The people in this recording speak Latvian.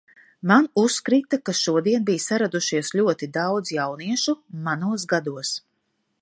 Man uzkrita ka šodien bija saradušies ļoti daudz jauniešu manos gados.